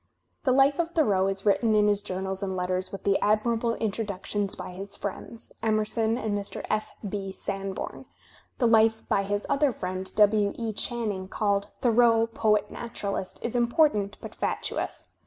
The life of Thoreau is written in his journals and letters with the admirable introductions by his friends, Emerson and Mr. P. B. Sanborn. The life by his other friend, W. E. Channing, called "Thoreau: Poet Naturalist," is impor tant but fatuous.